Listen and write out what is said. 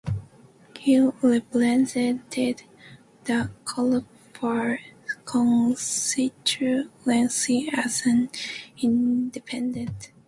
He represented the Kolhapur constituency as an independent.